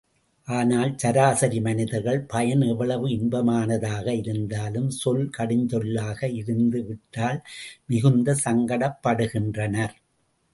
ஆனால் சராசரி மனிதர்கள் பயன் எவ்வளவு இன்பமானதாக இருந்தாலும் சொல் கடுஞ்சொல்லாக இருந்துவிட்டால் மிகுந்த சங்கடப்படுகின்றனர்.